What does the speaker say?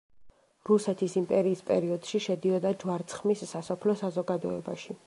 რუსეთის იმპერიის პერიოდში შედიოდა ჯვარცხმის სასოფლო საზოგადოებაში.